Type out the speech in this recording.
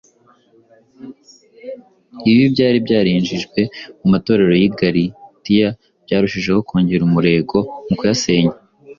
Ibibi byari byarinjijwe mu matorero y’i Galatiya byarushijeho kongera umurego mu kuyasenya.